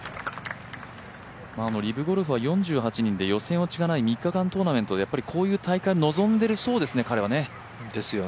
リブゴルフは４８人で予選落ちがない３日間トーナメントで、こういう大会、望んでいるようですね。